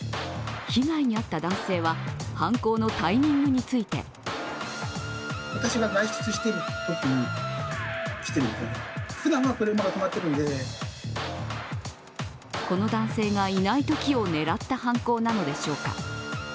被害に遭った男性は、犯行のタイミングについてこの男性がいないときを狙った犯行なのでしょうか。